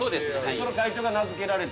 それは会長が名付けられた。